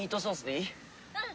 うん！